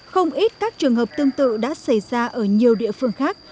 không ít các trường hợp tương tự đã xảy ra ở nhiều địa phương khác